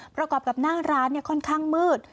ประกอบกับหน้าร้านค่อนข้างมืด